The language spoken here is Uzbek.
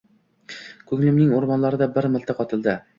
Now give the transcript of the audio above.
Ko’nglimning o’rmonlarida bir miltiq otildi.